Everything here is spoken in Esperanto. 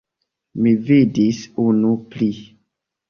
Mi vidis unu pli.